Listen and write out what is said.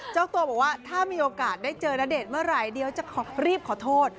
เจ้าตัวบอกว่าถ้ามีโอกาสได้เจอณเดชน์เมื่อไหร่เดี๋ยวจะรีบขอโทษ